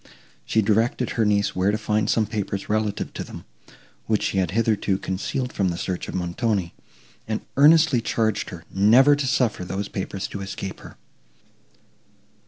She directed her niece where to find some papers relative to them, which she had hitherto concealed from the search of Montoni, and earnestly charged her never to suffer these papers to escape her.